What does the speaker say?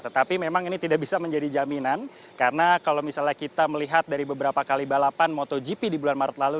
tetapi memang ini tidak bisa menjadi jaminan karena kalau misalnya kita melihat dari beberapa kali balapan motogp di bulan maret lalu